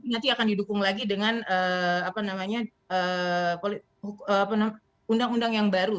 nanti akan didukung lagi dengan undang undang yang baru